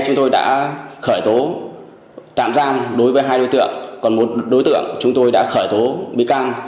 chúng tôi đã khởi tố tạm giam đối với hai đối tượng còn một đối tượng chúng tôi đã khởi tố bị can